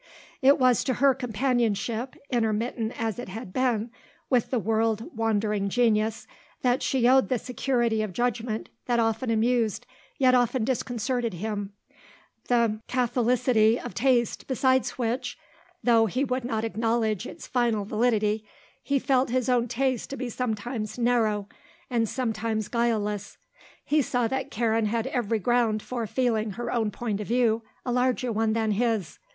It was to her companionship, intermittent as it had been, with the world wandering genius that she owed the security of judgment that often amused yet often disconcerted him, the catholicity of taste beside which, though he would not acknowledge its final validity, he felt his own taste to be sometimes narrow and sometimes guileless. He saw that Karen had every ground for feeling her own point of view a larger one than his.